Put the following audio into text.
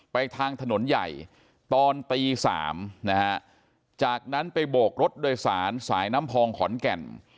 ทางถนนใหญ่ตอนตี๓นะฮะจากนั้นไปโบกรถโดยสารสายน้ำพองขอนแก่น